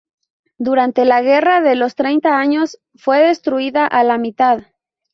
Durante la guerra de los treinta años fue destruida a la mitad.